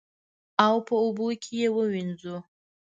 او په اوبو کې یې ووینځو.